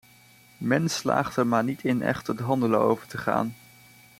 Men slaagt er maar niet in echt tot handelen over te gaan.